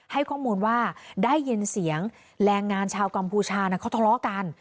ให้ข้อมูลว่าได้ยินเสียงแรงงานชาวกัมพูชาเขาทะเลาะกัน